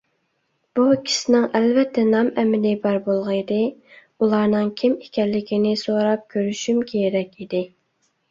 بۇ ئىككىسىنىڭ ئەلۋەتتە نام - ئەمىلى بار بولغىيدى، ئۇلارنىڭ كىم ئىكەنلىكىنى سوراپ كۆرۈشۈم كېرەك ئىدى.